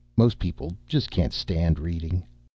Most people just can't stand reading.